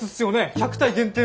１００体限定の。